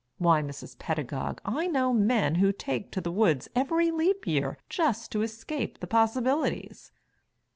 Why, Mrs. Pedagog, I know men who take to the woods every Leap Year just to escape the possibilities."